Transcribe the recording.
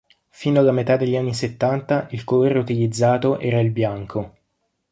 Fino alla metà degli anni settanta, il colore utilizzato era il bianco.